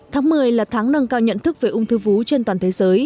tháng một mươi là tháng nâng cao nhận thức về ung thư vú trên toàn thế giới